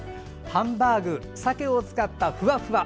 ハンバーグさけを使ったふわふわ。